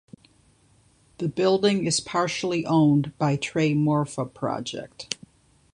The building is partially owned by TreiMorfa Project.